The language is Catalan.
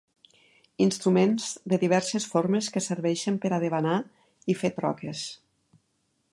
Instruments de diverses formes que serveixen per a debanar i fer troques.